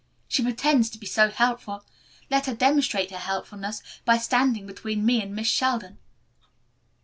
She pretends to be so helpful, let her demonstrate her helpfulness by standing between me and Miss Sheldon."